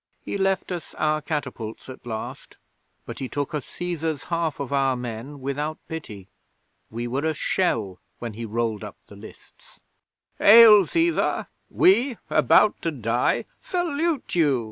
He left us our catapults at last, but he took a Cæsar's half of our men without pity. We were a shell when he rolled up the lists! '"Hail, Cæsar! We, about to die, salute you!"